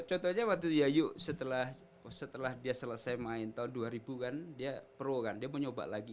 contohnya waktu yayu setelah dia selesai main tahun dua ribu kan dia pro kan dia mau nyoba lagi